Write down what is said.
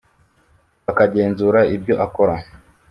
bakagenzura ibyo akora